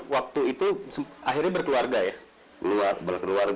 waktu itu akhirnya berkeluarga ya